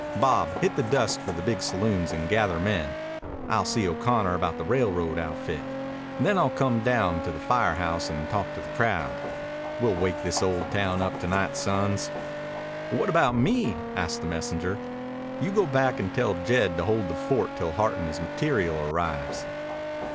Bob, hit the dust for the big saloons and gather men. I'll see O'Connor about the railroad outfit; then I'll come down to the fire house and talk to the crowd. We'll wake this old town up to night, sons." "What about me?" asked the messenger. "You go back and tell Jed to hold the fort till Hart and his material arrives."